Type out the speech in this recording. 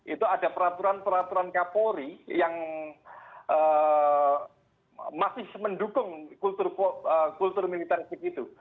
itu ada peraturan peraturan kapolri yang masih mendukung kultur militeristik itu